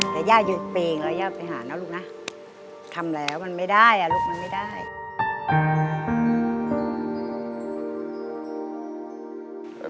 แต่ย่าหยุดเปรงแล้วย่าไปหานะลูกนะทำแล้วมันไม่ได้อ่ะลูกมันไม่ได้